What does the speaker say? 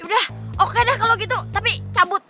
udah oke dah kalau gitu tapi cabut